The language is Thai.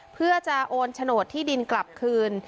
เพื่อจะโอนโฉนดที่ดินกลับคืน